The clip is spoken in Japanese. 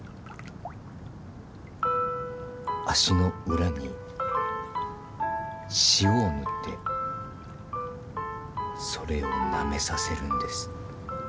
足の裏に塩を塗ってそれをなめさせるんです。